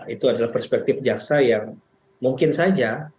itu adalah perspektif jaksa yang mungkin saja